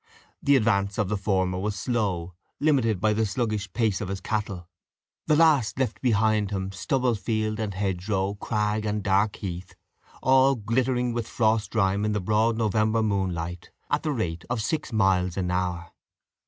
The advance of the former was slow, limited by the sluggish pace of his cattle; the last left behind him stubble field and hedgerow, crag and dark heath, all glittering with frost rime in the broad November moonlight, at the rate of six miles an hour.